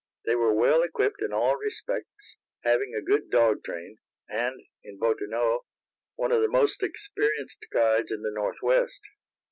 They were well equipped in all respects, having a good dog train, and, in Bottineau, one of the most experienced guides in the Northwest.